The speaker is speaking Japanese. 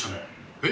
えっ。